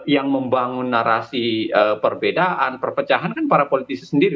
yang membangun narasi perbedaan perpecahan kan para politisi sendiri